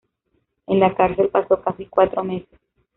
En la cárcel pasó casi cuatro meses.